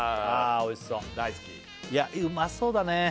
あおいしそう大好きいやうまそうだね